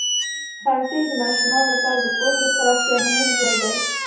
ښوونځی د ماشومانو لپاره د پوهې د پراختیا مهم ځای دی.